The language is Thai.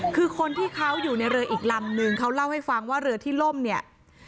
คือคนที่เขาอยู่ในเรืออีกลำนึงเขาเล่าให้ฟังว่าเรือที่ล่มเนี่ย